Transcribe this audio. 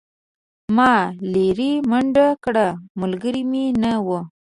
ما لیرې منډه کړه ملګری مې نه و.